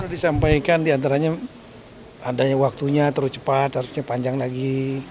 disampaikan diantaranya adanya waktunya terlalu cepat harusnya panjang lagi